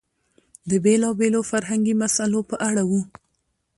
د بېلابېلو فرهنګي مسئلو په اړه و.